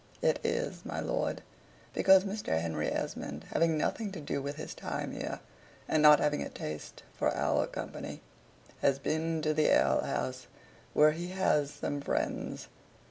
"It is, my lord, because Mr. Henry Esmond, having nothing to do with his time here, and not having a taste for our company, has been to the ale house, where he has SOME FRIENDS."